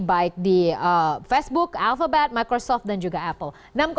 baik di facebook alphabet microsoft dan juga apple